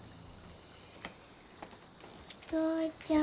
お父ちゃん。